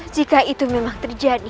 jika itu memang terjadi